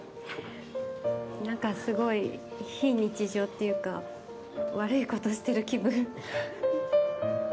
何かすごい、非日常というか悪いことしてる気分。